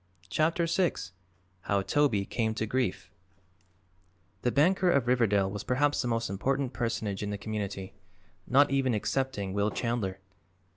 CHAPTER VI HOW TOBY CAME TO GRIEF The banker of Riverdale was perhaps the most important personage in the community, not even excepting Will Chandler.